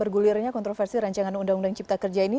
bergulirnya kontroversi rancangan undang undang cipta kerja ini